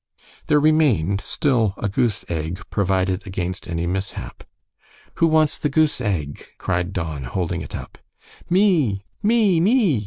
There remained still a goose egg provided against any mishap. "Who wants the goose egg?" cried Don, holding it up. "Me!" "me!" "me!"